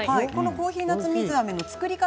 コーヒーナッツ水あめの作り方